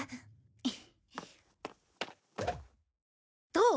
どう？